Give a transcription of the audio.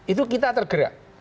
itu kita tergerak